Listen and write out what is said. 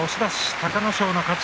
隆の勝の勝ち。